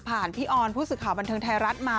พี่ออนผู้สื่อข่าวบันเทิงไทยรัฐมา